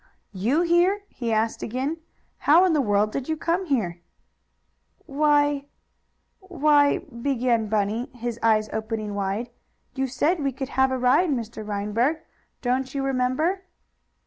"You here?" he asked again. "How in the world did you come here?" "Why why," began Bunny, his eyes opening wide. "You said we could have a ride, Mr. Reinberg. Don't you remember?"